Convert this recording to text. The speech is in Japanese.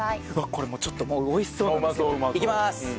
これちょっともうおいしそうなんですけど。いきます！